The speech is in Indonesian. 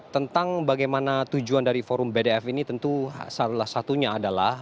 tentang bagaimana tujuan dari forum bdf ini tentu salah satunya adalah